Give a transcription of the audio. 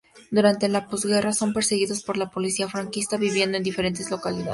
Durante la posguerra son perseguidos por la policía franquista, viviendo en diferentes localidades.